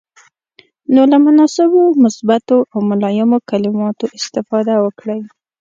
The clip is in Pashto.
نو له مناسبو، مثبتو او ملایمو کلماتو استفاده وکړئ.